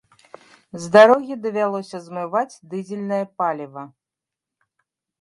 З дарогі давялося змываць дызельнае паліва.